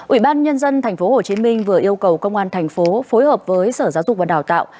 ủy ban nhân dân tp hcm vừa yêu cầu công an thành phố phối hợp với sở giáo dục và đào tạo